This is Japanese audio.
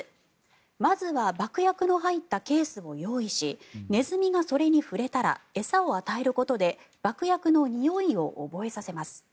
まずは爆薬の入ったケースを用意しネズミがそれに触れたら餌を与えることで爆薬のにおいを覚えさせます。